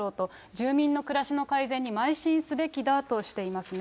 住民の暮らしの改善にまい進すべきだとしていますね。